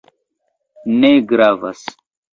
Ne gravas!